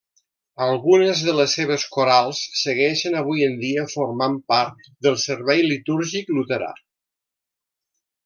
Algunes de les seves corals segueixen avui en dia formant part del servei litúrgic luterà.